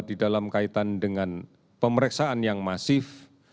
di dalam kaitan dengan pemeriksaan yang masif